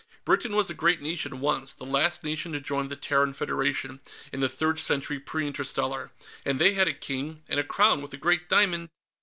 Britain was a great nation, once; the last nation to join the Terran Federation, in the Third Century Pre Interstellar. And they had a king, and a crown with a great diamond...."